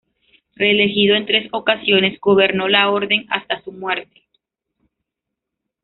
Reelegido en tres ocasiones, gobernó la Orden hasta su muerte.